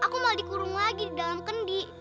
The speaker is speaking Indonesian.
kurung lagi di dalam kendi